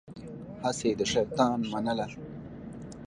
هسې يې د شيطان منله.